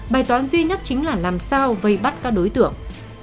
bài toán duy nhất chính là làm sao vây bắt các đối tượng